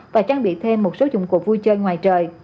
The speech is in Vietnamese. và trang bị thêm một số dụng cụ vui chơi ngoài trời